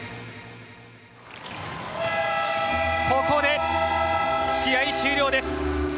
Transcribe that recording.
ここで試合終了です。